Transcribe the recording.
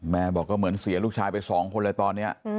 แม่บอกก็เหมือนเสียลูกชายไปสองคนเลยตอนนี้